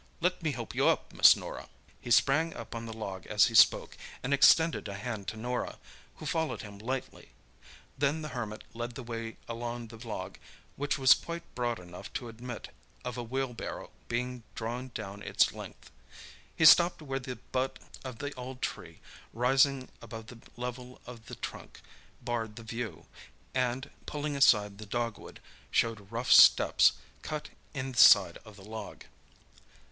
"Let me help you up, Miss Norah." He sprang up on the log as he spoke, and extended a hand to Norah, who followed him lightly. Then the Hermit led the way along the log, which was quite broad enough to admit of a wheelbarrow being drawn down its length. He stopped where the butt of the old tree, rising above the level of the trunk, barred the view, and pulling aside the dogwood, showed rough steps, cut in the side of the log.